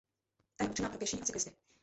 Ta je určená pro pěší a cyklisty.